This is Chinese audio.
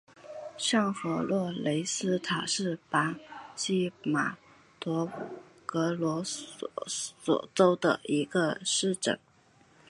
上弗洛雷斯塔是巴西马托格罗索州的一个市镇。